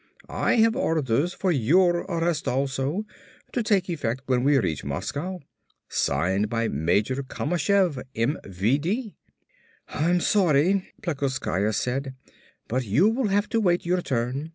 "I have orders for your arrest also, to take effect when we reach Moscow; signed by Major Kamashev, MVD." "I'm sorry," Plekoskaya said, "but you will have to wait your turn.